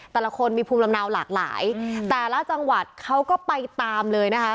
แต่ละคนมีภูมิลำเนาหลากหลายแต่ละจังหวัดเขาก็ไปตามเลยนะคะ